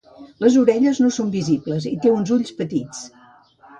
Les orelles no són visibles i té uns ulls petits.